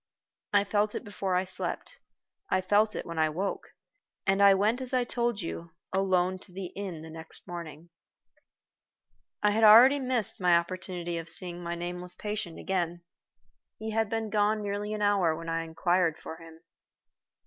I felt it before I slept; I felt it when I woke; and I went as I told you, alone to the inn the next morning. I had missed my only opportunity of seeing my nameless patient again. He had been gone nearly an hour when I inquired for him.